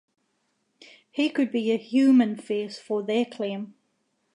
He could be a human face for their claim.